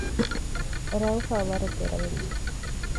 ރައުހާ ވަރަށް ދެރަވެއްޖެ